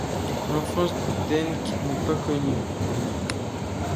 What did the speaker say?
L'enfance de Denke n'est pas connue.